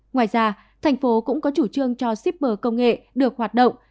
ngoài ra thành phố cũng có chủ trương cho shipper công nghệ được hoạt động